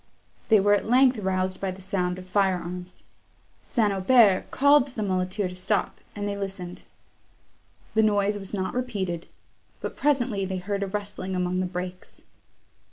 They were at length roused by the sound of fire arms. St. Aubert called to the muleteer to stop, and they listened. The noise was not repeated; but presently they heard a rustling among the brakes.